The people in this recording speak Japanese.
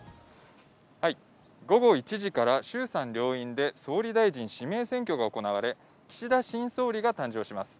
午後１時から衆参両院で、総理大臣指名選挙が行われ、岸田新総理が誕生します。